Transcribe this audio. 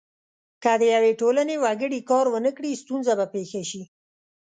که د یوې ټولنې وګړي کار ونه کړي ستونزه به پیښه شي.